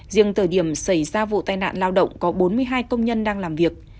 riêng thời điểm xảy ra vụ tai nạn lao động có bốn mươi hai công nhân đang làm việc